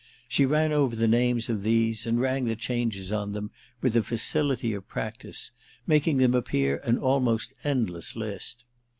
She ran over the names of these and rang the changes on them with the facility of practice, making them appear an almost endless list.